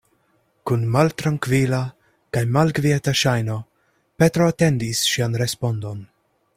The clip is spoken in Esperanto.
Kun maltrankvila kaj malkvieta ŝajno Petro atendis ŝian respondon.